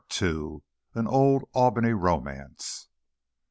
AN OLD ALBANY ROMANCE.